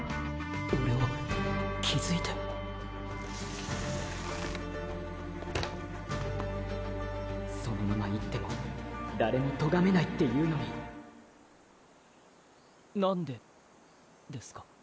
オレを気付いてそのまま行っても誰もとがめないっていうのに何でですか。